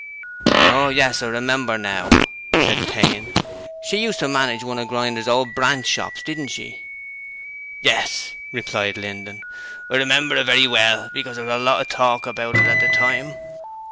'Oh yes, I remember now,' said Payne. 'She used to manage one of Grinder's branch shops didn't she?' 'Yes,' replied Linden. 'I remember it very well because there was a lot of talk about it at the time.